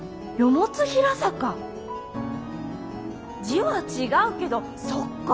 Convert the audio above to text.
字は違うけどそっか！